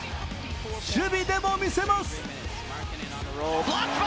守備でも見せます。